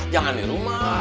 jangan di rumah